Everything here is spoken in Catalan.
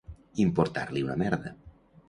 Importar-li una merda.